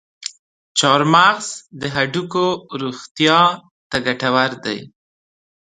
چارمغز د هډوکو روغتیا ته ګټور دی.